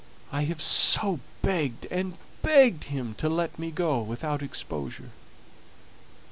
I have so begged and begged him to let me go without exposure."